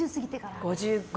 ５５。